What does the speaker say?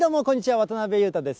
渡辺裕太です。